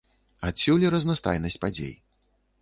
Адсюль і разнастайнасць падзей.